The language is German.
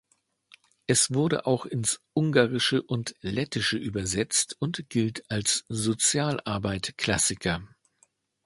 Es wurde auch ins Ungarische und ins Lettische übersetzt und gilt als ein „Sozialarbeit-Klassiker“.